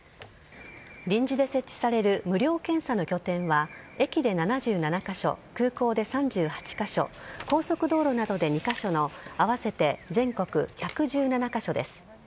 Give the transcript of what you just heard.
臨時で設置される無料検査の拠点は、駅で７７か所、空港で３８か所、高速道路などで２か所の合わせて全国１１７か所です。